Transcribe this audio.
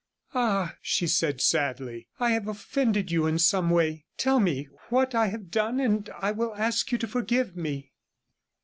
'Ah,' she said sadly, 'I have offended you in some way. Tell me what I have done, and I will ask you to forgive me.'